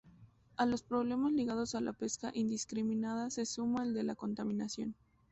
A los problemas ligados a la pesca indiscriminada se suma el de la contaminación.